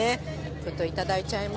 ちょっと頂いちゃいます。